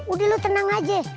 udah lu tenang aja